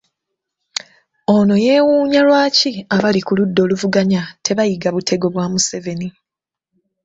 Ono yeewuunya lwaki abali ku ludda oluvuganya tebayiga butego bwa Museveni.